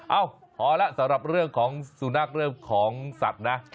เอ้าพอแล้วสำหรับเรื่องของสุนัขเรื่องของสัตว์นะ